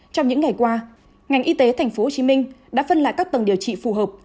trong những ngày qua ngành y tế tp hcm đã phân lại các tầng điều trị phù hợp